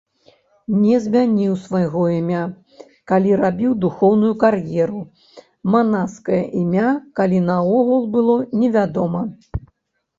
Не змяніў свайго імя, калі рабіў духоўную кар'еру, манаскае імя, калі наогул было, невядома.